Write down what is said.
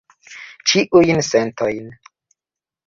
Ĉiujn sentojn.